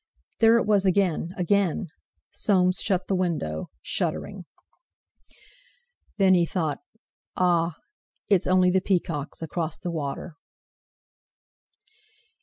There it was again—again! Soames shut the window, shuddering. Then he thought: "Ah! it's only the peacocks, across the water."